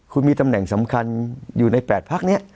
คุณมีตำแหน่งสำคัญอยู่ใน๘พักนี้